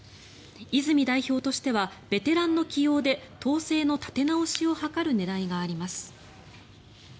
泉代表としてはベテランの起用で党勢の立て直しを図る狙いがあります。